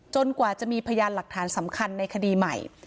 กว่าจะมีพยานหลักฐานสำคัญในคดีใหม่